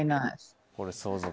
これ相続ね。